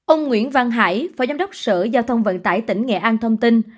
ông nguyễn văn hải phó giám đốc sở giao thông vận tải tỉnh nghệ an thông tin